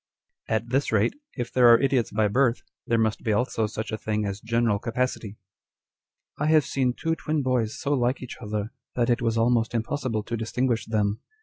2 At this rate, if there are idiots by birth, there must be also such a thing as general capacity. " I have seen two twin boys so like each other, that it was almost impossible to distinguish them.